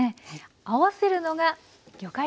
合わせるのが魚介ですね。